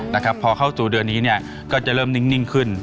นะครับพอเข้าสู่เดือนนี้เนี่ยก็จะเริ่มนิ่งขึ้น